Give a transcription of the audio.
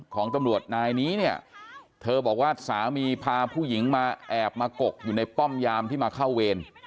ของตำรวจนายนี้เนี่ยเธอบอกว่าสามีพาผู้หญิงมาแอบมากกอยู่ในป้อมยามที่มาเข้าเวร